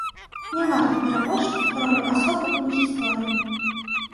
Не варта перабольшваць ролю асобы ў гісторыі.